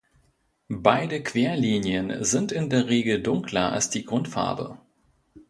Beide Querlinien sind in der Regel dunkler als die Grundfarbe.